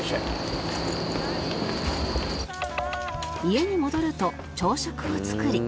家に戻ると朝食を作り